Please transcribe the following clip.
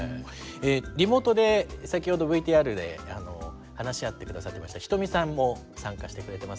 リモートで先ほどＶＴＲで話し合って下さってました人見さんも参加してくれてます。